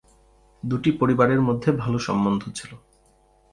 দুটি পরিবারের মধ্যে ভাল সম্বন্ধ ছিল।